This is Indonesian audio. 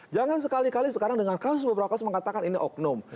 jangan sekali kali sekarang dengan kasus beberapa kasus mengatakan ini oknum